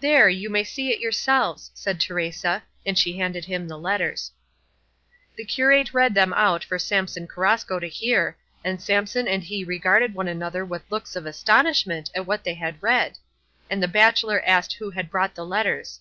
"There, you may see it yourselves," said Teresa, and she handed them the letters. The curate read them out for Samson Carrasco to hear, and Samson and he regarded one another with looks of astonishment at what they had read, and the bachelor asked who had brought the letters.